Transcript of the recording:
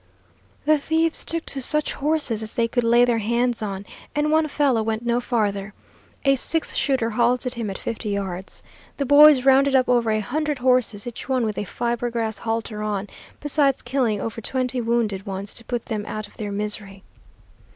The thieves took to such horses as they could lay their hands on, and one fellow went no farther. A six shooter halted him at fifty yards. The boys rounded up over a hundred horses, each one with a fiber grass halter on, besides killing over twenty wounded ones to put them out of their misery.